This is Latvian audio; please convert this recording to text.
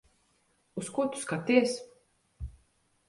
Uz ko tu skaties?